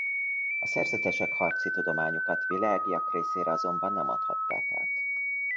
A szerzetesek harci tudományukat világiak részére azonban nem adhatták át.